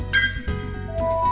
xin cảm ơn